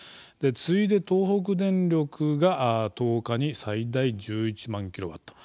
次いで東北電力が１０日に最大１１万キロワット。